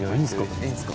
いいんすか？